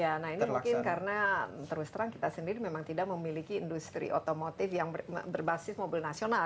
ya nah ini mungkin karena terus terang kita sendiri memang tidak memiliki industri otomotif yang berbasis mobil nasional